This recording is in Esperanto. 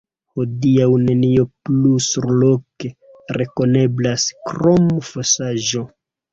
Hodiaŭ nenio plu surloke rekoneblas krom fosaĵo.